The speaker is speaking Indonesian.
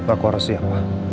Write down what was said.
aku harus siap